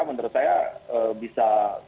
menurut saya bisa